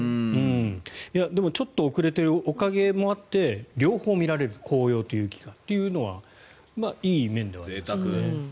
でもちょっと遅れているおかげもあって両方見られる紅葉と雪がというのはいい面ではありますよね。